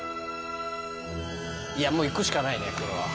いやもういくしかないね